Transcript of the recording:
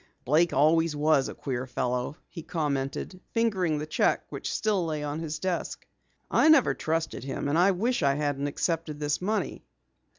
"Blake always was a queer fellow," he commented, fingering the cheque which still lay on his desk. "I never trusted him, and I wish I hadn't accepted this money."